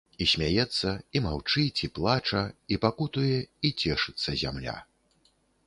І смяецца, і маўчыць, і плача, і пакутуе, і цешыцца зямля.